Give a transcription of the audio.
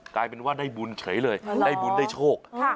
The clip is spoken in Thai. กลายเป็นว่าได้บุญเฉยเลยได้บุญได้โชค